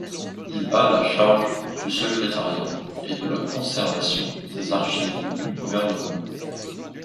Il a la charge du secrétariat et de la conservation des archives du gouvernement.